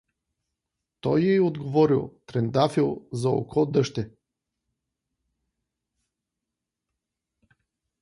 Той й отговорил: Трендафил за око, дъще!